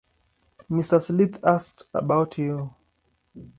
Mr. Sleath asked about you.